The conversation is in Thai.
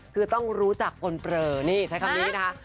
คือต้องรู้จักคนเปลือนี่ใช้คำนี้นะคะ